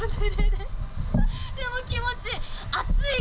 でも気持ちいい。